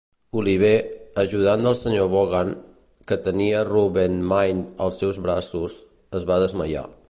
Oliver, ajudant del senyor Bogan, que tenia Rubbermaid als seus braços, es va desmaiar.